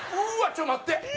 ちょっと待って！